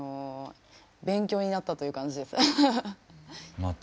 勉強になったという感じですアハハッ。